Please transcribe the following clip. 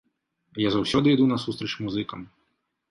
Я заўсёды іду насустрач музыкам.